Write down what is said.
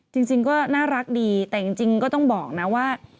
จริงก็น่ารักดีแต่จริงก็ต้องบอกนะว่า